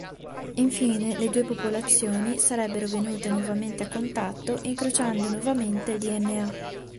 Infine, le due popolazioni sarebbero venute nuovamente a contatto, incrociando nuovamente il dna.